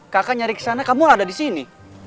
kakak nyari kesana kamu ada disini